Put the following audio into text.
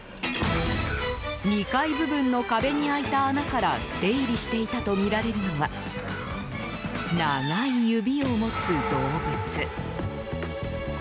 ２階部分の壁に開いた穴から出入りしていたとみられるのは長い指を持つ動物。